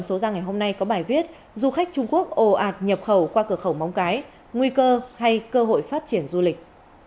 số ra ngày hôm nay có bài viết du khách trung quốc ồ ạt nhập khẩu qua cửa khẩu móng cái nguy cơ hay cơ hội phát triển du lịch